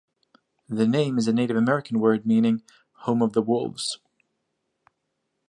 The name is a Native American word meaning "home of the wolves".